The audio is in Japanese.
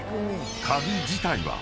［鍵自体は］